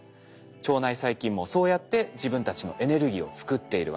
腸内細菌もそうやって自分たちのエネルギーを作っているわけです。